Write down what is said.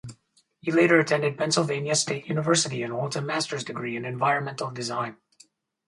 He later attended Pennsylvania State University and holds a Master's Degree in Environmental Design.